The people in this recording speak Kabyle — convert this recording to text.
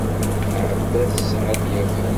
Ɛada tesɛa-d Yabal.